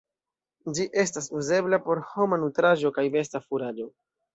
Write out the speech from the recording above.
Ĝi estas uzebla por homa nutraĵo kaj besta furaĝo.